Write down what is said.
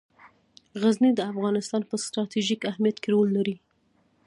غزني د افغانستان په ستراتیژیک اهمیت کې رول لري.